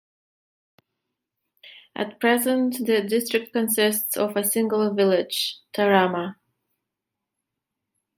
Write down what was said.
At present the district consists of a single village, Tarama.